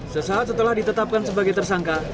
sesaat setelah ditetapkan sebagai tersangka